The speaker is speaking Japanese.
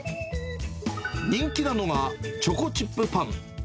人気なのが、チョコチップパン。